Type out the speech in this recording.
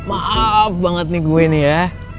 maaf banget nih gue ini ya